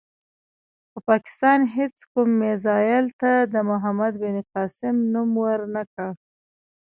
خو پاکستان هېڅ کوم میزایل ته د محمد بن قاسم نوم ور نه کړ.